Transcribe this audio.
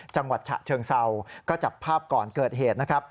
จังหวัดฉะเชิงเศร้าก็จับภาพก่อนเกิดเหตุนะครับ